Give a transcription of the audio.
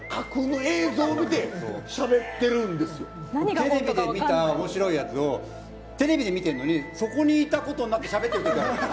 テレビで見た面白いやつをテレビで見てるのにそこにいたことになってしゃべってるときある。